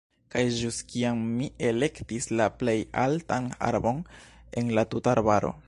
Kaj ĵus kiam mi elektis la plej altan arbon en la tuta arbaro.